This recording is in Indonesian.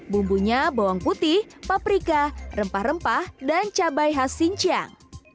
bumbunya bawang putih paprika rempah rempah dan cabai khas xinjiang